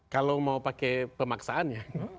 kalau mau pakai pemaksaannya